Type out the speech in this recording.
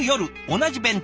同じ弁当」